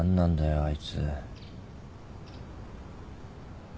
あいつ。